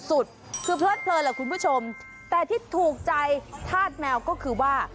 สุดคือเพลิดเพลินล่ะคุณผู้ชมแต่ที่ถูกใจธาตุแมวก็คือว่า